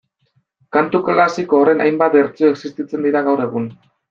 Kantu klasiko horren hainbat bertsio existitzen dira gaur egun